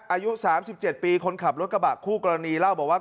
อายุสามสิบเจ็ดปีคนขับรถกระบะคู่กรณีเล่าบอกว่า